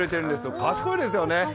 賢いですよね。